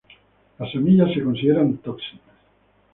Las semillas se consideran tóxicas.